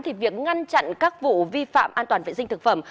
thì việc ngăn chặn các vụ vi phạm an toàn vệ sinh thực phẩm